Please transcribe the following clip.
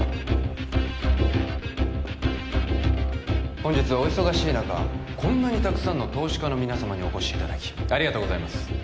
本日はお忙しい中こんなにたくさんの投資家の皆様にお越しいただきありがとうございます